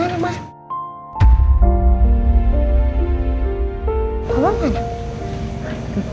headingnya ke mana mam